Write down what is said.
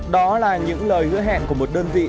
đó là những lời hứa hẹn của một đơn vị